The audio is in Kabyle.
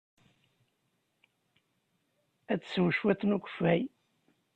Ad tsew cwiṭ n ukeffay.